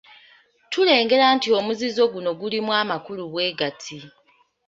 Tulengera nti omuzizo guno gulimu amakulu bwe gati.